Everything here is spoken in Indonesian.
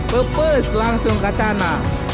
pepes langsung ke sana